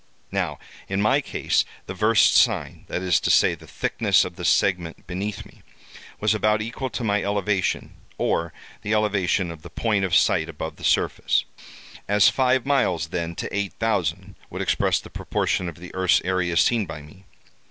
Now, in my case, the versed sine—that is to say, the thickness of the segment beneath me—was about equal to my elevation, or the elevation of the point of sight above the surface. 'As five miles, then, to eight thousand,' would express the proportion of the earth's area seen by me.